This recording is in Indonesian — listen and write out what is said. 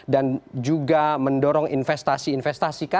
dan juga mendorong investasi investasi